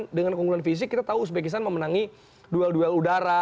karena kalau kita ngunggul fisik kita tahu uzbekistan memenangi duel duel udara